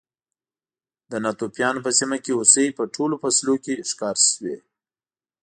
د ناتوفیانو په سیمه کې هوسۍ په ټولو فصلونو کې ښکار شوې.